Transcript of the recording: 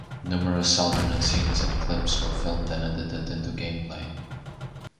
Numerous alternate scenes and clips were filmed and edited into game play.